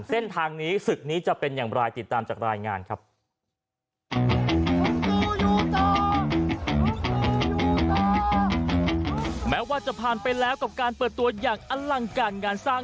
เส้นทางนี้ศึกนี้จะเป็นอย่างไรติดตามจากรายงานครับ